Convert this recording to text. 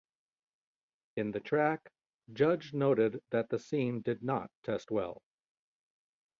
In the track, Judge noted that the scene did not test well.